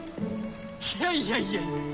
いやいやいやいや。